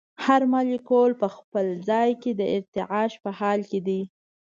هر مالیکول په خپل ځای کې د ارتعاش په حال کې دی.